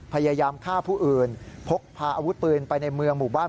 พยายามฆ่าผู้อื่นพกพาอาวุธปืนไปในเมืองหมู่บ้าน